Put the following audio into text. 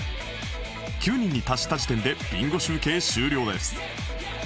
９人に達した時点でビンゴ集計終了です